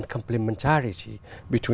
các bạn làm việc